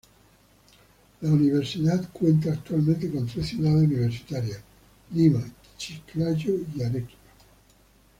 La universidad cuenta actualmente con tres ciudades universitarias: Lima, Chiclayo y Arequipa.